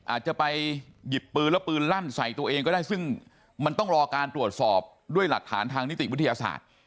อาจจะไปหยิบปืนแล้วปืนลั่นใส่ตัวเองก็ได้ซึ่งมันต้องรอการตรวจสอบด้วยหลักฐานทางนิติวิทยาศาสตร์